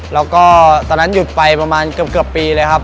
แล้วก็ตอนนั้นหยุดไปประมาณเกือบปีเลยครับ